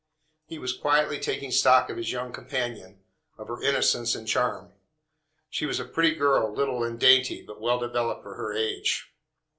He was quietly taking stock of his young companion, of her innocence and charm. She was a pretty girl, little and dainty, but well developed for her age.